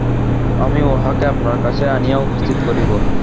আমি উঁহাকে আপনার কাছে আনিয়া উপস্থিত করিব।